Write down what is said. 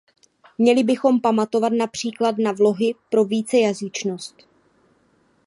Měli bychom pamatovat například na vlohy pro vícejazyčnost.